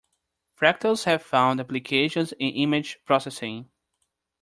Fractals have found applications in image processing.